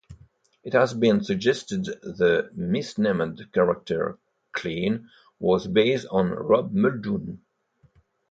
It has been suggested the misnamed character "Clean" was based on Rob Muldoon.